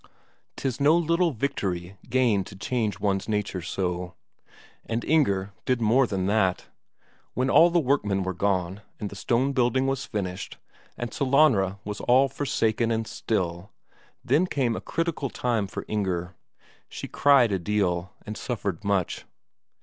'Tis no little victory gained to change one's nature so. And Inger did more than that. When all the workmen were gone, and the stone building was finished, and Sellanraa was all forsaken and still, then came a critical time for Inger; she cried a deal, and suffered much.